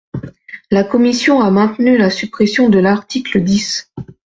La commission a maintenu la suppression de l’article dix.